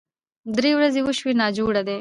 درې ورځې وشوې ناجوړه دی